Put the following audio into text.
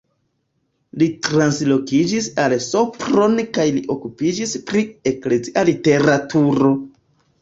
Li translokiĝis al Sopron kaj li okupiĝis pri eklezia literaturo.